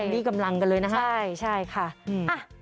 ดีกำลังกันเลยนะครับ